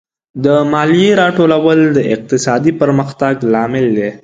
د مالیې راټولول د اقتصادي پرمختګ لامل دی.